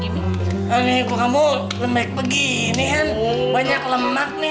ini nih kok kamu lemek begini kan banyak lemak nih